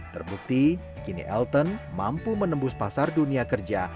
terbukti kini elton mampu menembus pasar dunia kerja